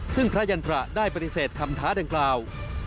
ซึ่งพระยันตระได้ปฏิเสธคำท้าดังกล่าว